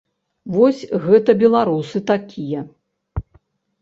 Вось гэта беларусы такія.